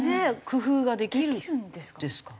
工夫ができるんですか？